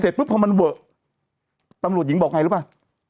เสร็จปุ๊บพอมันตำรวจหญิงบอกไงรึเปล่า